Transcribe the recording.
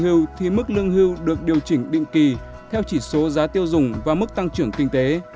hưu thì mức lương hưu được điều chỉnh định kỳ theo chỉ số giá tiêu dùng và mức tăng trưởng kinh tế